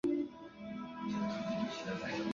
另一个变化是加入了离合器的释放延迟阀。